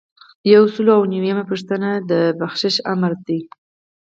یو سل او یو نوي یمه پوښتنه د بخشش آمر دی.